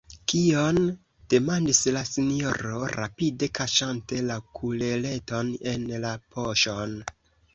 « Kion?», demandis la sinjoro, rapide kaŝante la kulereton en la poŝon.